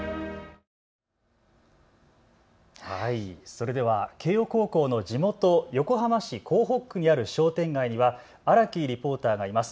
それでは慶応高校の地元、横浜市港北区にある商店街には荒木リポーターがいます。